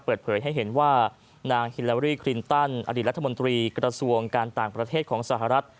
เปิดเผยให้เห็นว่านางฮิลารี่คลินตันอดีตรัฐมนตรีกระทรวงการต่างประเทศของสหรัฐ